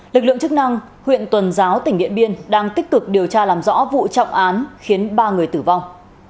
lực lượng chức năng huyện tuần giáo tỉnh điện biên đang tích cực điều tra làm rõ vụ trọng án khiến ba người tử vong